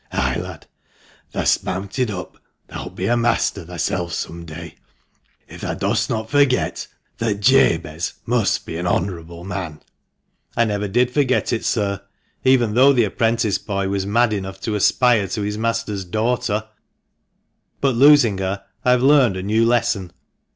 Ay, lad, thah'st mounted up, thou'lt be a master thyself some day, if thou dost not forget that Jabez must be an honourable man !"" I never did forget it sir, even though the apprentice boy was mad enough to aspire to his master's daughter! But losing her, I have learned a new lesson.